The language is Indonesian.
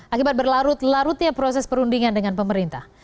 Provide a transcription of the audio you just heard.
akibat berlarut larutnya proses perundingan dengan pemerintah